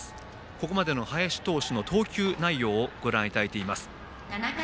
ここまでの林投手の投球内容をご覧いただいています。